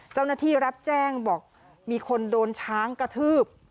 เจ้าหน้าที่รับแจ้งบอกมีคนโดนช้างกระทืบ